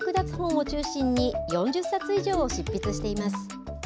４０冊以上を執筆しています。